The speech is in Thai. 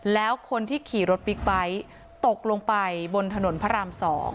แล้วคนที่ขี่รถบิ๊กไบท์ตกลงไปบนถนนพระราม๒